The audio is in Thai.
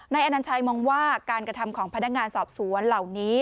อนัญชัยมองว่าการกระทำของพนักงานสอบสวนเหล่านี้